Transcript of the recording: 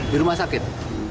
di rumah sakit